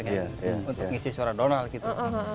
untuk ngisi suara donald gitu